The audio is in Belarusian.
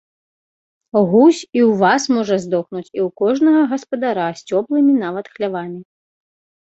Гусь і ў вас можа здохнуць, і ў кожнага гаспадара, з цёплымі нават хлявамі.